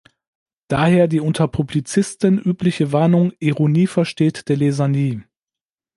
Daher die unter Publizisten übliche Warnung: "Ironie versteht der Leser nie.